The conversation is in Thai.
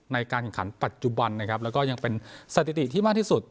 ในการแข่งขันปัจจุบันนะครับแล้วก็ยังเป็นสถิติที่มากที่สุด